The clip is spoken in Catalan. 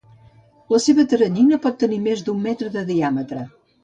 La seva teranyina pot tenir més d'un metre de diàmetre.